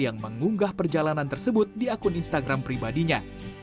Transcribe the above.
yang mengunggah perjalanan tersebut di akun instagram pribadinya